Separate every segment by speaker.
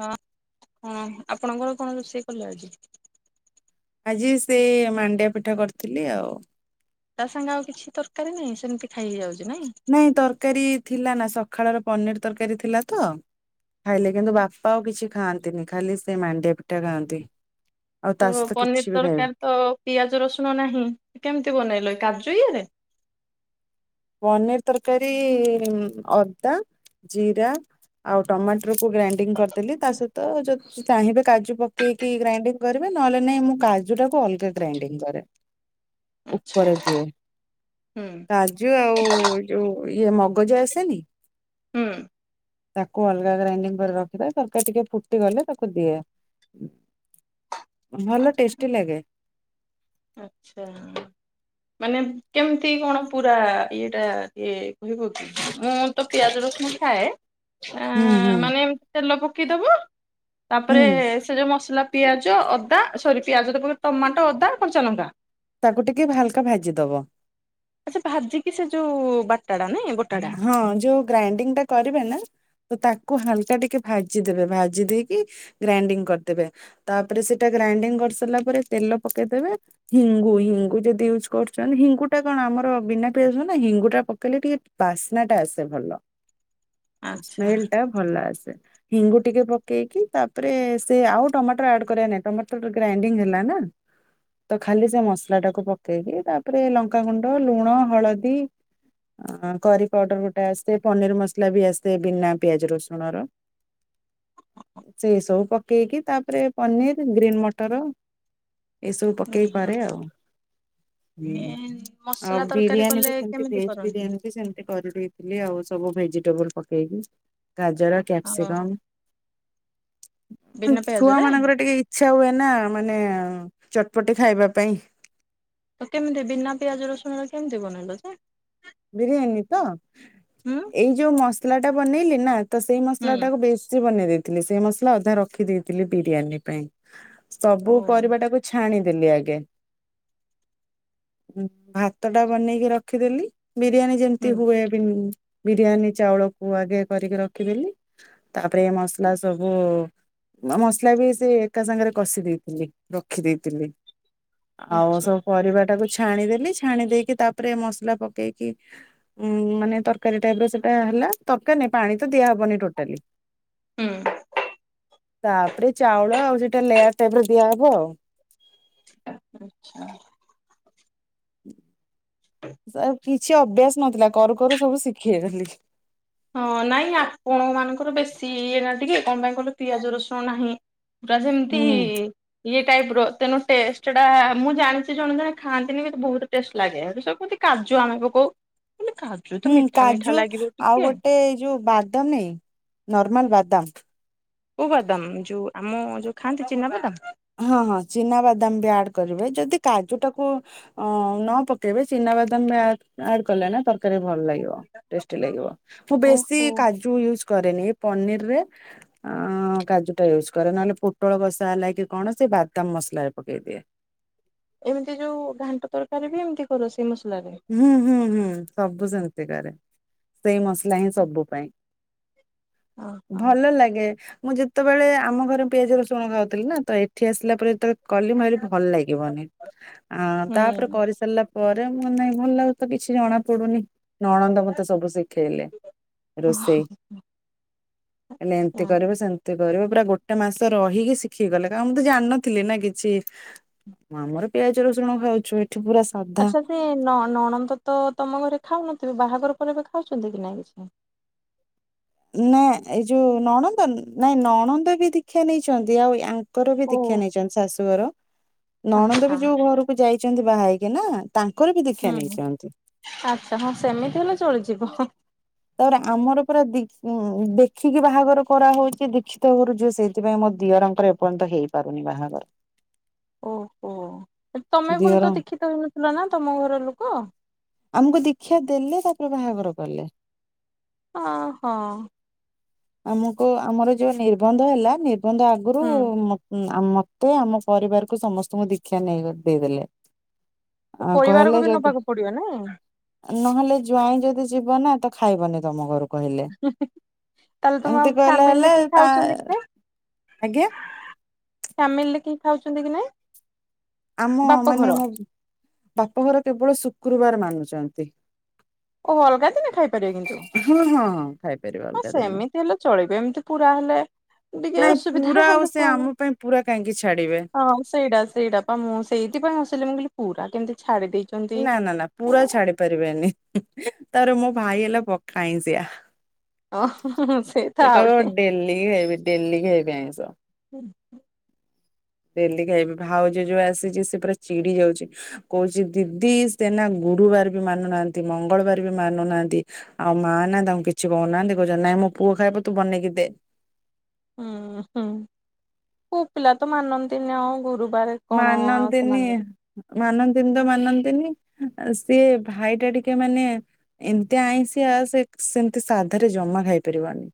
Speaker 1: ହଁ ହଁ ଆପଣଙ୍କର କଣ ରୋଷେଇ କଲେ ଆଜି।
Speaker 2: ଆଜି ସେ ମାଣ୍ଡିଆ ପିଠା କରିଥିଲି ଆଉ।
Speaker 1: ତା ସାଙ୍ଗେ ଆଉ କିଛି ତରକାରୀ ନାଇଁ ସେମିତି ଖାଇ ହେଇଯାଉଛି
Speaker 2: ନାଇଁ ତରକାରୀ ଥିଲା ନା ସକାଳର ପନିର ତରକାରୀ ଥିଲା ତ ଖାଇଲେ କିନ୍ତୁ ବାପା ଆଉ କିଛି ଖାଆନ୍ତିନି ଖାଲି ସେ ମାଣ୍ଡିଆ ପିଠା ଖାଆନ୍ତି। ଆଉ ତା
Speaker 1: ତ
Speaker 2: ସହିତ କିଛି
Speaker 1: ପନିର୍
Speaker 2: ବି ଖାଇବେ
Speaker 1: ତରକାରୀ ତ ପିଆଜ ରସୁଣ ନାହିଁ କେମତି ବନେଇଲ କାଜୁ ଜୁ ଇଏରେ।
Speaker 2: ପନିର୍ ତରକାରୀ ଅଦା ଜିରା ଆଉ ଟମାଟୋ ରକୁ ଗ୍ରାଇଣ୍ଡିଂ କରିଦେଲି ତା ସହିତ ଯ ଚାହିଁବେ କାଜୁ ପକେଇକି ଗ୍ରାଇଣ୍ଡିଙ୍ଗ କରିବେ ନହେଲେ ନାଇଁ ମୁଁ କାଜୁ ଟାକୁ ଅଲଗା ଗ୍ରାଇଡିଙ୍ଗ କରେ।
Speaker 1: ଆଚ୍ଛା।
Speaker 2: ଉପରେ ଦିଏ।
Speaker 1: ହୁଁ।
Speaker 2: ଆଉ କାଜୁ ଯୋଉ ଇଏ ମଗଜ ଆସେନି।
Speaker 1: ହୁଁ
Speaker 2: ତାକୁ ଅଲଗା ଗ୍ରାଇଣ୍ଡିଙ୍ଗ କରି ରଖିିବା ତରକାରି ଟିକେ ଫୁଟିଗଲେ ତାକୁ ଦିଏ। ଭଲ ଟେଷ୍ଟି ଲାଗେ।
Speaker 1: ଆଛା। ମାନେ କେମିତି କଣ ପୁରା ଇଏଟା ଇଏ କହିବ କି ମୁଁ ତ ପିଆଜ ରଶୁ ଣ ଖାଏ। ଆ
Speaker 2: ହୁଁ ହୁଁ
Speaker 1: ମାନେ ଏମତି ତେଲ ପକେଇଦବ ତାପରେ
Speaker 2: ହୁଁ
Speaker 1: ସେ ଯୋଉ ମସଲା ପିଆଜ ଅଦା ସରି ପିଆଜ ତ ପକେଇଚି ଟମାଟୋ ଅଦା କଞ୍ଚା ଲଙ୍କା।
Speaker 2: ତାକୁ ଟିକେ ହାଲୁକା ଭାଜିଦବ।
Speaker 1: ଆଚ୍ଛା ଭାଜିକି ସେ ଯୋଉ ବାଟା ଟା ନାଇଁ। ବଟାଟା।
Speaker 2: ହଁ ଯୋଉ ଗ୍ରାଇଣ୍ଡିଙ୍ଗ ଟା କରିବେ ନା। ତାକୁ ହାଲୁକା ଟିକେ ଭାଜିଦେବେ ଭାଜି ଦେଇକି ଗ୍ରାଇଣ୍ଡିଙ୍ଗ କରିଦେବେ ତାପରେ ସେଟା ଗ୍ରା ଡିଂ କରିସାରିଲା ପରେ ତେଲ ପକେଇ ଦେବେ ହିଙ୍ଗୁ ହିଙ୍ଗୁ ଯଦି ୟୁଜ୍ କରୁଛନ୍ତି ହିଙ୍ଗୁ ଟା କଣ ଆମର ବିନା ପିଆଜ ରସୁଣ ନା ହିଙ୍ଗୁ ଟା ପକେଇଲେ ଟିକେ ବାସ୍ନା ଟା ଆସେ ଭଲ
Speaker 1: ଆଚ୍ଛା।
Speaker 2: ସ୍ମେଲେ ଟା ଭଲ ଆସେ। ହିଙ୍ଗୁ ଟିକେ ପକେଇକି ତାପରେ ସେ ଆଉ ଟମାଟୋ ଆଡ କରିବାର ନାହି ଟମାଟର ଗ୍ରାଇଣ୍ଡିଙ୍ଗ ହେଲା ନା। ତ ଖାଲି ସେ ମସଲା ଟାକୁ ପକେଇ ଦିଏ ତାପରେ ଲଙ୍କାଗୁଣ୍ଡ ଲୁଣ ହଳଦୀ [unintelligible] କରି ପାଉଡର ଗୋଟେ ଆସେ ପନିର୍ ମସଲା ବି ଆସେ ବିନା ପିଆଜ ରସୁଣ ର। ସେଇ ସବୁ ପକେଇକି ତାପରେ ପନିର୍ ଗ୍ରୀନ୍ ମଟର। ଏସବୁ
Speaker 1: ହୁଁ
Speaker 2: ପକେଇି
Speaker 1: ହୁଁ
Speaker 2: କରେ ଆଉ। ହଁ ଆଉ
Speaker 1: ମସଲା ତରକାରୀ
Speaker 2: ବିରିୟାନୀ ବି
Speaker 1: କଲେ
Speaker 2: ସେମତି
Speaker 1: କେମିତି
Speaker 2: ଭେଜ
Speaker 1: କରନ୍ତି?
Speaker 2: ବିରିୟାନୀ ବି ସେମ ସେମତି କରିଦେଇଥିଲି ଆଉ ସବୁ ଭେଜିଟେବୁଲ ପକେଇକି। ଗାଜର
Speaker 1: ହଁ
Speaker 2: କ୍ୟାପ୍ସିକମ୍।
Speaker 1: ବିନା
Speaker 2: ଛୁଆ
Speaker 1: ପିଆଜରେ
Speaker 2: ମାନଙ୍କର ଟିକେ ଇଛା ହୁଏ ନା ମାନେ ଚଟପଟି ଖାଇବା ପାଇଁ।
Speaker 1: ତ କେମିତି ବିନା ପିଆଜ ରସୁଣରେ କେମିତି ବନେଇଲ ଯେ।
Speaker 2: ବିରିୟାନୀ ତ
Speaker 1: ହୁଁ
Speaker 2: ଏଇ ଯୋଉ ମସଲା ଟା ବନେଇଲି ନା। ତ ସେଇ ମସଲା
Speaker 1: ହୁଁ
Speaker 2: ଟାକୁ ବେଶୀ ବନେଇ ଦେଇଥିଲି ସେଇ ମସଲା ଅଧା ରଖି ଦେଇେଇଥିଲି ବିରିୟାନୀ ପାଇଁ। ସବୁ
Speaker 1: ଓ
Speaker 2: ପରିବାଟାକୁ ଛାଣି ଦେଲି ଆଗେ ଭାତ ଟା ବନେଇକି ରଖିଦେଲି। ବିରିୟାନୀ ଯେମିତି
Speaker 1: ହୁଁ
Speaker 2: ହୁଏ ବି ବିରିୟାନୀ ଚାଉଳକୁ ଆଗେ କରିକି ରଖିଦେଲି ତାପରେ ମସଲା ସବୁ। ମସଲା ବି ସେ ଏକା ସାଙ୍ଗରେ କଷି ଦେଇଥିଲି ରଖି ଦେଇଥିଲି। ଆଉ
Speaker 1: ଆଚ୍ଛା
Speaker 2: ସବୁ ପରିବା ଟାକୁ ଛାଣିଦେଲି ଛାଣି ଦେଇକି ତାପରେ ମସଲା ପ କେଇକି ଉ ମାନେ ତରକାରୀ ଟାଇପରେ ସେଟା ହେଲା ତରକାରୀ ନାଇ ପାଣି ତ ଦିଆହବନି ଟୋଟାଲି।
Speaker 1: ହୁଁ।
Speaker 2: ତାପରେ ଚାଉଳ ଆଉ ସେଟା ଲେୟାର ଟାଇପରେ ଦିଆହବ ଆଉ।
Speaker 1: ଆଛା।
Speaker 2: କିଛି ଅଭ୍ୟାସ ନଥିଲା, କରୁ କରୁ ସବୁ ଶିଖେଗଲି
Speaker 1: ହଁ ନାଇଁ ଆପଣ ମାନଙ୍କର ବେଶୀ ଇଏ ନା ଟିକେ କଣ, ପାଇଁ କହିଲ ପିଆଜ ରସୁଣ ନାହିଁ। ପୁରା ଜେନ୍ତି।
Speaker 2: ହୁଁ
Speaker 1: ଟାଇପର ତେଣୁ ଟେଷ୍ଟ ଟା ମୁଁ ଜାଣିଛି ଜଣେ ଜଣେ ଖାଆନ୍ତିନି, କିନ୍ତୁ ବହୁତ ଟେଷ୍ଟ ଲାଗେ କା କାଜୁ ଆମେ ପକାଉ ହେଲେ କାଜୁ ତ
Speaker 2: ହୁଁ
Speaker 1: ମିଠା ମିଠା
Speaker 2: କାଜୁ
Speaker 1: ଲାଗିବ ଟିକେ
Speaker 2: ଆଉ ଗୋଟେ ଏଇ ଯୋଉ ବାଦାମ ନାଇ ନର୍ମାଲ ବାଦାମ
Speaker 1: କୋଉ ବାଦାମ ଯୋଉ ଆମ ଯୋଉ ଖାଆନ୍ତି ଚିନାବାଦାମ।
Speaker 2: ହଁ ହଁ ଚିନା ବାଦାମ ବି ଆଡ କରିବେ ଯଦି କାଜୁଟାକୁ ଅ ନ ପକେଇବେ ଚିନା ଆଦମେ ଆଡଲନା ତ ଭଲ ଲାଗିବ ଟେଷ୍ଟୀ ଲାଗିବ, ମୁଁ ବେଶୀ
Speaker 1: ଓହୋ
Speaker 2: କାଜୁ ୟୁଜ କରେନି ପନିର ରେ କାଜୁ ଟା ୟୁଜ କରେ ନହଲେ ପୋଟଳ କଷା ହେଲା। କୌଣସି ବାଦାମ ମସଲାରେ ପକେଇଦିଏ।
Speaker 1: ଏମିତି ଯୋଉ ଘାଣ୍ଟ ତରକାରୀ ବି ଏମିତି କରୁଛି।
Speaker 2: ହୁଁ ହୁଁ ହୁଁ ସବୁ ସେମିତି କରେ ସେଇ ମସଲା ହିଁ ସବୁ ପାଇଁ
Speaker 1: ଓହୋ
Speaker 2: ଭଲ ଲାଗେ। ଯେତେବେଳେ ଆମ ଘରେ ପିଆଜ ରସୁଣ ଖାଉଥିଲି, ନା ତ ଏଠି ଆସିଲା ପରେ ଯେତବେଳେ କଲି ମୁଁ ଭିଲି ଭଲ ଲାଗିବନି ଆ ତାପରେ
Speaker 1: ହୁଁ
Speaker 2: କରିସାରିଲା ପରେ ମ ନାଇଁ ଭଲ ଲାଗୁ ତ କିଛି ଜଣା ପଡୁନି। ନଣନ୍ଦ ମତେ ସବୁ ଶିଖେଇଲେ ରୋଷେଇ ହେଲେ ଏମତି
Speaker 1: ଆଚ୍ଛା।
Speaker 2: କରିବ ସେମିତି କରିବ ପୁରା ଗୋଟେ ମାସ ରହିକି ଶିଖି ଗଲେ କଣ ମୁଁ ତ ଜାଣିନଥିଲି ନା କିଛି ଆମର ପିଆଜ ରସୁଣ ଖାଉଛୁ, ଏଠି ପୁରା ସାଧା
Speaker 1: ଆଚ୍ଛା ସେ ନ ନଣନ୍ଦ ତ ତମ ଘରେ ଖାଉନଥିବେ ବାହାଘର ପରେ ବି ଖାଉଛନ୍ତି କି ନାଇଁ କିଛି?
Speaker 2: ନା ଏଇ ଯୋଉ ନଣନ୍ଦ ନାଇଁ ନଣନ୍ଦ ବି ଦୀକ୍ଷା ନେଇଛନ୍ତି ଆଉ ଆଁ ତାଙ୍କର ବି
Speaker 1: ଓ
Speaker 2: ଦୀଖା ନେଇଛନ୍ତି, ଶାଶୁଘର ନଣନ୍ଦ
Speaker 1: ଆଚ୍ଛା
Speaker 2: ବି ଯୋଉ ଘରକୁ ଯାଇଛନ୍ତି, ବାହା ହେକି ନା ତାଙ୍କର ବି
Speaker 1: ହୁଁ
Speaker 2: ଦୀକ୍ଷା ନେଇଛନ୍ତି।
Speaker 1: ଆଛା ହଁ ସେମିତି ହେଲେ ଚଳିଯିବ।
Speaker 2: ତାପରେ ଆମର ପୁରା ଦେଖ୍ ଉଁ ଦେଖିକି ବାହାଘର କରାହଉଛି, ଦୀକ୍ଷିତ ଘରୁ ଝିଅ ସେଥି ପାଇଁ ମତେ ଦିଅରଙ୍କର ଏପର୍ଯ୍ୟନ୍ତ ହେଇପାରୁନି ବାହାଘର
Speaker 1: ଓହୋ ତମେ ପୁଣି
Speaker 2: ଦିଅର
Speaker 1: ତ ଦୀକ୍ଷିତ ହେଉନଥିଲ ନା ତମ ଘର ଲୋକ
Speaker 2: ଆମକୁ ଦୀକ୍ଷା ଦେଲେ ତାପରେ ବାହାଘର କଲେ
Speaker 1: ଓ ହଁ।
Speaker 2: ଆମକୁ ଆମର ଯୋଉ ନିର୍ବନ୍ଧ ହେଲା ନିର୍ବନ୍ଧ ଆଗରୁ
Speaker 1: ହୁଁ।
Speaker 2: ମତେ ମତେ ଆମ ପରିବାରକୁ ସମସ୍ତଙ୍କୁ ଦୀକ୍ଷା ନେଇ ଦେଇଦେଲେ କହିଲେ
Speaker 1: ପରିବାରକୁ ବି
Speaker 2: ଯଦି
Speaker 1: ନବାକୁ ପଡିବ ନାଇଁ
Speaker 2: ନହେଲେ ଜ୍ବାଇଁ ଯଦି ଯିବ ନା ତ ଖାଇବନି ତମ ଘରକୁ
Speaker 1: [unintelligible] ତାହେଲେ ତମ
Speaker 2: କହିଲେ
Speaker 1: ଫାମିଲି ରେ
Speaker 2: ହେଲେ
Speaker 1: କିଏ
Speaker 2: ତା
Speaker 1: ଖାଉଛନ୍ତି କି ନାଇ?
Speaker 2: ଆଜ୍ଞା
Speaker 1: ଖାଉଛନ୍ତି କି ନାଇଁ?
Speaker 2: ଆମ
Speaker 1: ବାପ
Speaker 2: ମାନେ
Speaker 1: ଘର
Speaker 2: ମୋ ବାପଘର କେବଳ ଶୁକ୍ରବାର ମାନୁଛନ୍ତି।
Speaker 1: ଓହ ଅଲଗା ଦିନେ ଖାଇପାରିବ କିନ୍ତୁ
Speaker 2: ହଁ ହଁ ହଁ ଖାଇପାରିବା
Speaker 1: ହଁ
Speaker 2: ଅଲଗା ଦିନେ।
Speaker 1: ସେମିତି ହେଲେ ଚଳିବ ଏମିତି ପୁରା ହେଲେ ଟିକେ
Speaker 2: ନାଇଁ
Speaker 1: ଅସୁବିଧା
Speaker 2: ପୁରା ଆଉ
Speaker 1: ହେଲେ
Speaker 2: ସେ
Speaker 1: କୁହ ନା
Speaker 2: ଆମ ପାଇଁ ପୁରା କାହିଁକି ଛାଡିବେ
Speaker 1: ହଁ ସେଇଟା ସେଇଟା ପା, ମୁଁ ସେଇଥିପାଇଁ ହସିଲି ମୁ କହିଲି ପୁରା କେମିତି ଛା
Speaker 2: ନା ନା ନା ପୁରା ଛାଡି ପାରିବେନି। ତାର ମୋ ଭାଇ ହେଲା ପକା ଆଇଁଶିଆ
Speaker 1: ଓହୋ
Speaker 2: ସେ
Speaker 1: ଥାଉ
Speaker 2: କହିବ
Speaker 1: ଟିକେ
Speaker 2: ଡେଲି ଖାଇବି ଡେଲି ଖାଇବି ଆଇଁଷ ଡେଲି ଖାଇବି ଭାଉଜ ଯୋଉ ଆସିଛି, ସେ ପୁରା ଚିଡି ଯାଉଛି କହୁଛି ଦିଦି ସେନା ଗୁରୁବାର ବି ମାନୁନାହାନ୍ତି ମଙ୍ଗଳବାର ବି ମାନୁନାହାନ୍ତି ଆଉ ମା ନା ତାଙ୍କୁ କିଛି କହୁନାହାନ୍ତି କହୁଛନ୍ତି। ପୁଅ ଖାଇବ ତୁ ବନେଇକି ଦେ
Speaker 1: ହୁଁ ହୁଁ କୁ ପିଲା ତ ମାନନ୍ତିନ ଆଉ ଗୁରୁ
Speaker 2: ମାନନ୍ତିନି ମାନନ୍ତିନି ତ ମାନନ୍ତିନି ସିଏ ଭାଇ ଟା ଟିକେ ମାନେ ଏମତି ଆଇଁସିଆ ସେ ସେମତି ସାଧାରେ ଜମା ଖାଇପାରିବନି।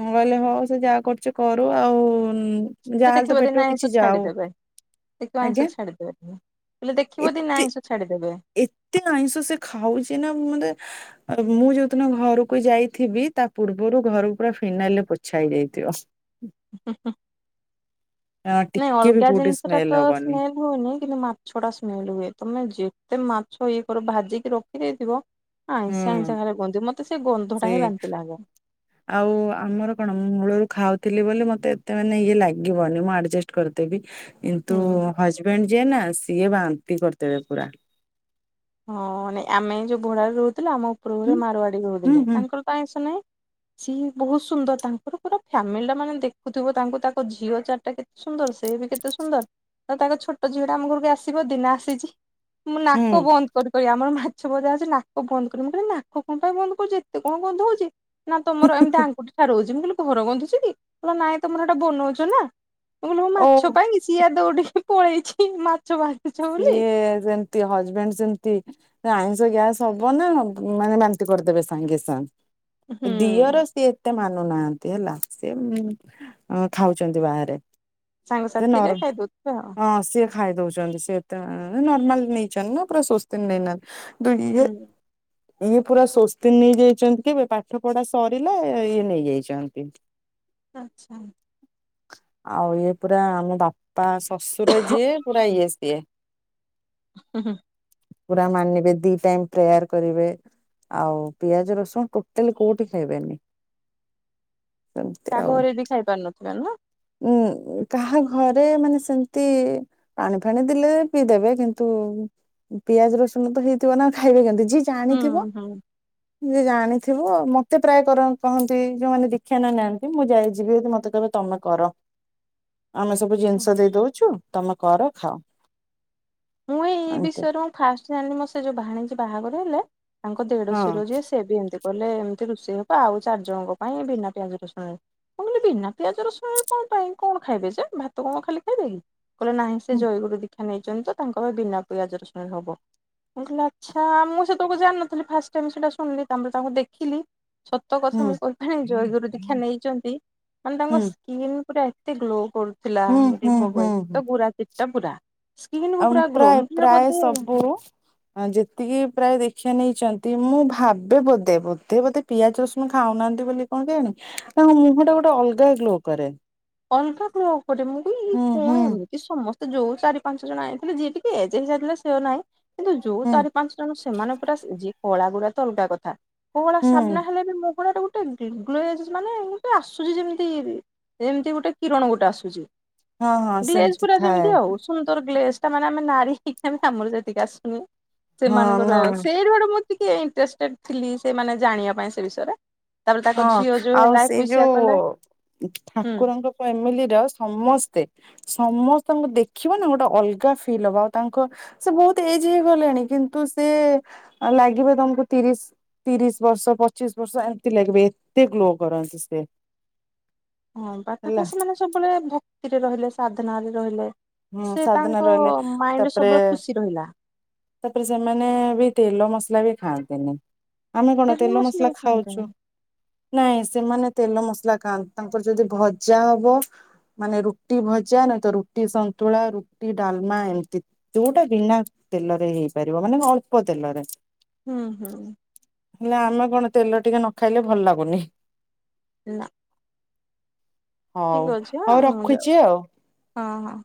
Speaker 2: ମୁଁ କହିଲେ ହଉ ସେ ଯାହା କରୁଛି କରୁ ଆଉ ଉଁ।
Speaker 1: ସେ
Speaker 2: ଯାହେଲେ ତ
Speaker 1: ଦେଖିବ
Speaker 2: ପେଟ
Speaker 1: ଦିନେ
Speaker 2: କୁ
Speaker 1: ଆଇଁଷ
Speaker 2: କିଛି ଯାାଉ।
Speaker 1: ଛାଡିଦେବେ ଦେଖିବ ଆଇଁଷ ଛାଡିଦେବେ ବୋଇଲେ ଦେଖିବ ଦିିନ
Speaker 2: ଏତେ
Speaker 1: ଆଇଁଷ ଛାଡିଦେବେ।
Speaker 2: ଏତେ ଆଇଁଷ ସେ ଖାଉଛି ନା ମାନେ ମୁଁ ଯୋଉଦିନ ଘରକୁ ଯାଇଥିବି ତାକୁ ପୂର୍ବରୁ ଘରକୁ ପୁରା ଫିନାଇଲରେ ପୋଛା ହେଇଯାଇଥିବ।
Speaker 1: ହୁଁ ହୁଁ।
Speaker 2: [inaudible]
Speaker 1: ନାଇଁ
Speaker 2: ବି
Speaker 1: ଅଲଗା
Speaker 2: କୋଉଠି ସ୍ମେଲ
Speaker 1: ଜିନିଷଟାତ
Speaker 2: ହବନି
Speaker 1: ସ୍ମେଲ ହୁଏନି କିନ୍ତୁ ମାଛ ଟା ସ୍ମେଲ ହୁଏ ତମେ ଯେତେ ମା ଛ ଇଏ କର ଭାଜିକି ରଖିଦେଇଥିବ। ଆଁଇଁଷିଆ
Speaker 2: ହୁଁ
Speaker 1: ଆଁଇଁଷିଆ ଖାଲି ଗନ୍ଧୁ ମତେ ସେ ଗନ୍ଧଟା
Speaker 2: ସେ
Speaker 1: ହିଁ ବାନ୍ତି ଲାଗେ।
Speaker 2: ଆଉ ଆମର କଣ ମୁଳରୁ ଖାଉଥିଲେ ବୋଲେ ମତେ ଏତେ ମାନେ ଇଏ ଲାଗିବନି ମୁଁ ଆଡଯେଷ୍ଟ୍ କରିଦେବି। କିନ୍ତୁ
Speaker 1: ହୁଁ।
Speaker 2: ହଜବେଣ୍ଡ ଯିଏ ନା ସିଏ ବାନ୍ତି କରିଦେବେ ପୁରା।
Speaker 1: ହଁ ନାଇ ଆମେ ଯୋଉ ଭଡ଼ାରେ ରହୁଥିଲେୁ ଆମ
Speaker 2: ହୁଁ
Speaker 1: ଉପରରେ ମାରୱାଡି
Speaker 2: ହୁଁ
Speaker 1: ରହୁଥିଲେ
Speaker 2: ହୁଁ
Speaker 1: ତାଙ୍କର ତ ଆଁଇଁଷ ନାଇଁ।
Speaker 2: [inaudible]
Speaker 1: ସିଏ ବହୁତ ସୁନ୍ଦର ତାଙ୍କର ପୁରା ଫ୍ୟାମିଲି ଟା ମାନେ ଦେଖୁଥିବ ତାଙ୍କୁ ତାଙ୍କ ଝିଅ ଚାରଟା କେତେ ସୁନ୍ଦର ସେ ସେ ବି କେତେ ସୁନ୍ଦର ଆଉ ତାଙ୍କ ଛୋଟ ଝିଅଟା ଆମ ଘରକୁ ଆସିବ ଦିନେ ଆସିଚି ମୁଁ ନାକ
Speaker 2: ହୁଁ
Speaker 1: ବନ୍ଦ୍ କରି ଆମ ମାଛ ଭଜା ଅଛି ନାକ ବନ୍ଦ କରିି ମୁଁ କହିଲି ନାକ କଣ ପାଇଁ ବନ୍ଦ କରୁଚି ଏତେ କଣ ଗନ୍ଧଉଚି ନା ତମର ଏମିତି ଆଙ୍ଗୁଠି ଠାରଉଛି ମୁଁ କହିଲି ଘର ଗନ୍ଧୁଛି କି କହିଲା ନାଇଁ ତମର ହେଟା ବନଉଚ ନା ମୁୁଁ
Speaker 2: ଓ
Speaker 1: ମାଛ ପାଇଁକି ସିଏ ଦୌଡିକି ପଳେଇଛି ମାଛ ଭା ଜି
Speaker 2: ସିଏ ସେମିତି ହଜବେଣ୍ଡ ସେମ୍ତି। ଆଇଁଷ ଗ୍ୟାସ ହବନା ମ ମାନେ ବାନ୍ତି କରିଦେବେ ସାଙ୍ଗେ ସାଙ୍ଗ୍।
Speaker 1: ହୁଁ
Speaker 2: ଦିଅର ସିଏ ଏତେ ମାନ ନୁ ନାହାନ୍ତି ହେଲା ସେ ଖାଉଛନ୍ତି ବାହାରେ। ଯେ
Speaker 1: ସାଙ୍ଗସାଥିରେ
Speaker 2: ନର
Speaker 1: ଖାଇଦଉଥିବେ ଆଉ
Speaker 2: ହଁ ସେ ଖାଇ ଦଉଛନ୍ତି ସେତ ନର୍ମାଲ ନେଇଛନ୍ତି ନା ପୁରା ସ୍ୱସ୍ତିନ୍ ନେଇନାହାନ୍ତି। ଦୁଇଏ
Speaker 1: ହୁଁ
Speaker 2: ଇଏ ପୁରା ସ୍ୱସ୍ତିନ୍ ନେଇଯାଇଛନ୍ତି କି ପାଠ ପଢା ସରିଲା ଇଏ ନେଇଯାଇଛନ୍ତି।
Speaker 1: ଆଚ୍ଛା।
Speaker 2: ଆଉ ଇଏ ପୁରା ଆମ ବାପା ଶଶୁର ଯିଏ ପୁରା ଇଏ ସିଏ।
Speaker 1: ହୁଁ ହୁଁ।
Speaker 2: ପୁରା ମାନିବେ ଦି ଟାଇମ ପ୍ରେୟାର କରିବେ। ଆଉ ପିଆଜ ରସୁଣ ଟୋଟାଲ କୋଉଠି ଖାଇବେନି। ସେମିତି
Speaker 1: ତା
Speaker 2: ଆଉ।
Speaker 1: ଘରେବି ଖାଇ ପାରୁିନଥିବେ ନୁହଁ
Speaker 2: ଉଁ କାହା ଘରେ ମାନେ ସେମିତି ପାଣି ଫାଣି ଦେଲେ। ପିଇ ଦେବେ କିନ୍ତୁ ପିଆଜ ରସୁଣତ ଯେହେତୁ ମନା ଖାଇବେ କେମିତି? ଯେ
Speaker 1: ହୁଁ
Speaker 2: ଜାଣିଥିବ।
Speaker 1: ହୁଁ
Speaker 2: ଯେ ଜାଣିଥିବ ମତେ ପ୍ରାୟ କାର କହନ୍ତି ଯୋଉମାନେ ଦୀକ୍ଷା ନ ନିୟନ୍ତି ମୁଁ ଯାଇ ଯିବି ଯଦି ମତେ କହିବେ ତ ତମେ କର ଆମେ ସବୁ
Speaker 1: ହୁଁ
Speaker 2: ଜିନିଷ ଦେଇ ଦଉଛୁ ତମେ କର ଖାଅ।
Speaker 1: ମୁଁ ଏଇ
Speaker 2: ଏମତି
Speaker 1: ବିଷୟରେ ମୁଁ ଫାଷ୍ଟ ଜାଣିଲି ମୋର ସେ ଯୋଉ ଭାଣିଯି ବାହାଘର ହେଲେ। ତାଙ୍କ
Speaker 2: ହଁ
Speaker 1: ଦେଢଶିୁର ଯିଏ ସେ ବି ଏମତି। କହିଲେ ଏମିତି ରୁଷେଇ ହବ ଆଉ ଚାରି ଜଣଙ୍କ ପାଇଁ ବିନା ପିଆଜ ରୁଣରେ କଣ କହିଲେ ବିନା ପିଆଜ ରସୁଣରେ କଣ। ପାଇଁ କଣ ଖାଇବେ ଯେ ଭାତ କଣ ଖାଲି ଖାଇବେ କି କହିଲେ ନାହିଁ ସେ
Speaker 2: ହୁଁ
Speaker 1: ଜୟଗୁରୁ ଦୀକ୍ଷା ନେଇଛନ୍ତି ତ ତାଙ୍କ ପାଇଁ ବିନା ପିଆଜ ରସୁଣରେ ହବ। ମୁଁ କହିଲି ଆଚ୍ଛା ମୁଁ ସେ ତାକୁ ଜାଣିନଥିଲି ଫାଷ୍ଟ୍ ଟାଇମ୍ ସେଟା ଶୁଣିଲି ତାପରେ ତାଙ୍କୁ ଦେଖିଲି ସତ କଥା
Speaker 2: ହୁଁ
Speaker 1: ମୁଁ କହିପାରାନି ଜୈଗରୁ ଦୀକ୍ଷା ନେଇଛନ୍ତି ମାନେ ତାଙ୍କ
Speaker 2: ହୁଁ
Speaker 1: ସ୍କିିନ ପୁରା ଏ ଏତେ ଗ୍ଲୋ କରୁଥିଲା।
Speaker 2: ହୁଁ
Speaker 1: ମୁଁ ଏତେ
Speaker 2: ହୁଁ ହୁଁ
Speaker 1: [unintelligible]
Speaker 2: ହୁଁ
Speaker 1: ଗୋରା ପୁରା ସ୍କିନ
Speaker 2: ଆଉ ପ୍ରାୟ ପ୍ରାୟ ସବୁ ଯେତିକି ପ୍ରାୟ ଦେଖି ନେଇଛନ୍ତି ମୁଁ ଭାବେ ବୋଧେ ବୋଧେ ବୋଧେ ପିଆଜ ରସୁଣ ଖାଉନାହାନ୍ତି ବୋଲି କଣ କେୟାଣୀ ମୁହଁ ଟା ଗୋଟେ ଅଲଗା ଗ୍ଲୋ କରେ
Speaker 1: ଅଲଗା ଗ୍ଲୋ କରେ ମୁଁ କଇଲି
Speaker 2: ହୁଁ
Speaker 1: କଣ
Speaker 2: ହୁଁ
Speaker 1: ଏମିତି ସମସ୍ତେ ତ ଯୋଉଁ ଚାରି ପାଞ୍ଚ ଜଣ ଆଇଥିଲେ ଯିଏ [unintelligible] ହେଇ ଯାଇଥିଲେ ସେ ନାଇଁ। କିନ୍ତୁ ଯୋଉଁ
Speaker 2: ହୁଁ
Speaker 1: ଚାରି ପାଞ୍ଚ ଜଣ ସେମାନେ ପୁରା ସେ ଯିଏ କଳା ଗୋରା ଅଲଗା କଥା। ମଳା
Speaker 2: ହୁଁ
Speaker 1: ସାମ୍ନା ହେଲେ ବି ମଭଳିଆର ଗୁଟେ ଗ୍ଲୋ ମାନେ ଗୁଟେ ଆସୁଚି ଯେମିତି ଏମତି ଗୋଟେ କିରଣ ଗୋଟେ ଆସୁଛି।
Speaker 2: ହଁ ହଁ
Speaker 1: ଗ୍ଲେଜ
Speaker 2: ସେମିତି
Speaker 1: ପୁରା
Speaker 2: ଥାଏ
Speaker 1: ଯେମିତି ଆଉ ସୁନ୍ଦର ଗ୍ଲେଜ ମାନେ ଆମେ ନାରୀ ହେଇକ ଆମର ସେତିକି ଆସୁନି
Speaker 2: ହଁ
Speaker 1: ସେମାନଙ୍କର
Speaker 2: ନା
Speaker 1: ସେଇଠୁଆରୁ ମୁଁ ଟିକେ [unintelligible] ଥିଲି ସେମାନେ ଜାଣିବା ପାଇଁ ସେ ବିଷୟରେ ତାପରେ ତାଙ୍କ
Speaker 2: ହଁ
Speaker 1: ଝିଅ ଯୋଉ
Speaker 2: ଆଉ
Speaker 1: ହେଲା
Speaker 2: ସେ
Speaker 1: ଏକୋଇଶିଆ କଲେ
Speaker 2: ଯୋଉଁ
Speaker 1: ହୁଁ
Speaker 2: ଠାକୁରଙ୍କ ଫ୍ୟାମିଲିର ସମସ୍ତେ ସମସ୍ତଙ୍କୁ ଦେଖିବ ନା ଗୋଟେ ଅଲଗା ଫିଲ୍ ହବ ଆଉ ତାଙ୍କ ସେ ବହୁତ ଏଜ ହେଇଗଲେଣି କିନ୍ତୁ କିନ୍ତୁ ସେ ଲାଗିବ ତମକୁ ତିରିଶ ତିରିଶ ବର୍ଷ ପଚିଶି ବର୍ଷ ଲାଗିବେ ଏତେ ଗ୍ଲୋ କରନ୍ତି ସେ।
Speaker 1: ହଁ ବା
Speaker 2: ହେଲା
Speaker 1: ତାଙ୍କରେ ସେମାନେ ସବୁବେଳେ ଭକ୍ତିରେ ରହିଲେ ସାଧନା ରେ ରହିଲେ।
Speaker 2: ହଁ
Speaker 1: ସେ
Speaker 2: ସାଧନା
Speaker 1: ତାଙ୍କ
Speaker 2: ରହିଲେ
Speaker 1: ମାଇଣ୍ଡରେ
Speaker 2: ତାପରେ
Speaker 1: ସବୁବେଳେ ଖୁସି ରହିଲା।
Speaker 2: ତାପରେ ସେମାନେ ବି ତେଲ ମସ ଖାଆନ୍ତିନି ଆମେ କଣ
Speaker 1: ତେଣୁ
Speaker 2: ତେଲ
Speaker 1: ମୁଁ ସେ
Speaker 2: ମସଲା ଖାଉଛୁ ନାଇଁ ସେମାନେ ତେଲ ମସଲା ଖାଆନ୍ତୁ। ତାଙ୍କର ଯଦି ଭଜା ହବ ମାନେ ରୁଟି ଭଜା ନାହିଁତ ରୁଟି ସନ୍ ସାନ୍ତୁଳା। ରୁଟି ଡାଲମା ଏମିତି ଯୋଉଁଟା ବିନା ତେଲରେ ହେଇପାରିବ ମାନେ ଅଳ୍ପ ତେଲରେ
Speaker 1: ହ୍ନୁ ହ୍ନୁ।
Speaker 2: ହେଲେ ଆମେ କଣ ତେଲ ଟିକେ ନ ଖାଇଲେ ଭଲ ଲାଗୁନି।
Speaker 1: ନା। ଠିକ
Speaker 2: ହଉ
Speaker 1: ଅଛି ହଁ
Speaker 2: ହଉ
Speaker 1: ମୁଁ ଯାଉ
Speaker 2: ରଖୁଛି ଆଉ।
Speaker 1: ହଁ ହଁ।